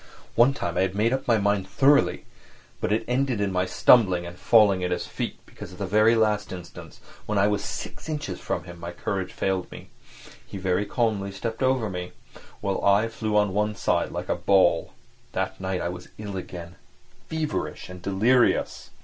One time I had made up my mind thoroughly, but it ended in my stumbling and falling at his feet because at the very last instant when I was six inches from him my courage failed me. He very calmly stepped over me, while I flew on one side like a ball. That night I was ill again, feverish and delirious.